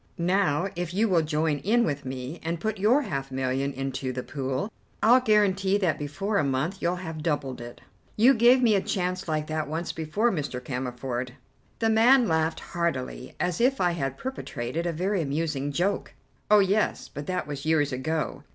Now, if you will join in with me, and put your half million into the pool, I'll guarantee that before a month you have doubled it." "You gave me a chance like that once before, Mr. Cammerford." The man laughed heartily as if I had perpetrated a very amusing joke. "Oh, yes, but that was years ago.